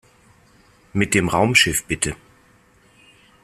Mit dem Raumschiff, bitte!